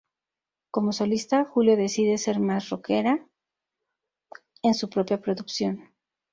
Como solista Julio decide ser más rockera en su propia producción.